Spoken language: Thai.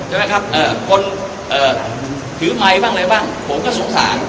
ใช่ไหมครับคนถือไมค์บ้างอะไรบ้างผมก็สงสาร